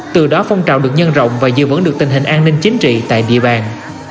từ đó phong trào được nhân rộng và giữ vững được tình hình an ninh chính trị tại địa bàn